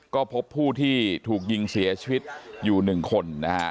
ก็พบผู้ที่ถูกยิงเสียชีวิตอยู่๑คนนะฮะ